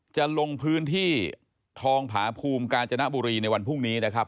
จะลงพื้นที่ทองผาภูมิกาญจนบุรีในวันพรุ่งนี้นะครับ